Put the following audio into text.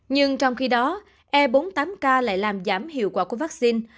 nhưng trong khi đó e bốn mươi tám k lại làm giảm hiệu quả của vaccine